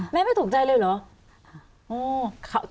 แม่ไม่ตกใจเลยเหรอ